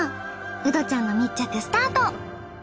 ウドちゃんの密着スタート！